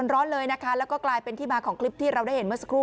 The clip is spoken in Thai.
ร้อนเลยนะคะแล้วก็กลายเป็นที่มาของคลิปที่เราได้เห็นเมื่อสักครู่